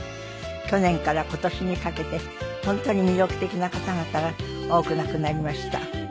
去年から今年にかけて本当に魅力的な方々が多く亡くなりました。